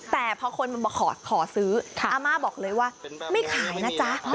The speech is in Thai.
แต่พอคนมันมาขอซื้ออาม่าบอกเลยว่าไม่ขายนะจ๊ะ